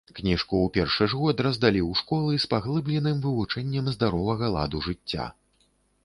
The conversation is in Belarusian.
Кніжку ў першы ж год раздалі ў школы з паглыбленым вывучэннем здаровага ладу жыцця.